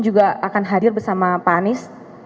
juga akan hadir bersama pak anies